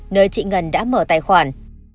nơi chị ngân đã mở tài khoản